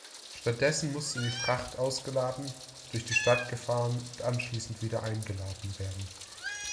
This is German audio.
Stattdessen musste die Fracht ausgeladen, durch die Stadt gefahren und anschließend wieder eingeladen werden.